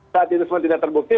saat itu semua tidak terbukti